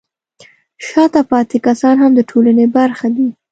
شاته پاتې کسان هم د ټولنې برخه دي.